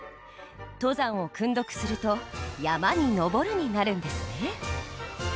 登山を訓読すると「山に登る」になるんですね。